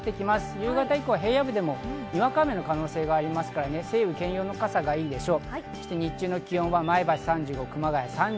夕方以降、平野部でもにわか雨の可能性がありますから、晴雨兼用の傘がいいでしょう。